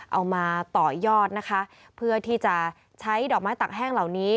เอามาต่อยอดนะคะเพื่อที่จะใช้ดอกไม้ตักแห้งเหล่านี้